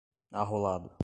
arrolado